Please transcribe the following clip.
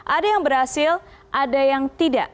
ada yang berhasil ada yang tidak